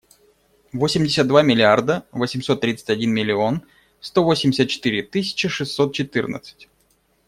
Восемьдесят два миллиарда восемьсот тридцать один миллион сто восемьдесят четыре тысячи шестьсот четырнадцать.